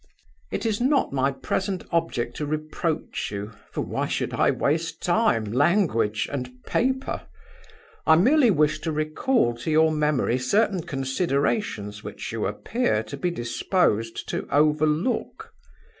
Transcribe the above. "It is not my present object to reproach you, for why should I waste time, language, and paper? I merely wish to recall to your memory certain considerations which you appear to be disposed to overlook.